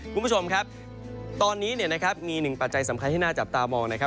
คุณผู้ชมครับตอนนี้มีหนึ่งปัจจัยสำคัญที่น่าจับตามองนะครับ